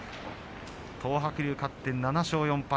東白龍、勝って７勝４敗。